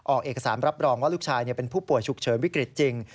ออกเอกสารรับรองว่าลูกชายเป็นผู้ป่วยฉุกเฉินวิกฤตจริง